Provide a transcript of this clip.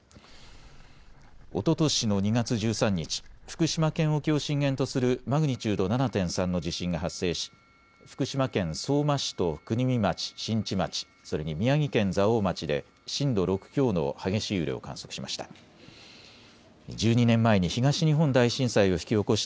おととしの２月１３日、福島県沖を震源とするマグニチュード７．３の地震が発生し福島県相馬市と国見町、新地町、それに宮城県蔵王町で震度６強の激しい揺れを観測しました。